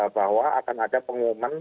bahwa akan ada pengumuman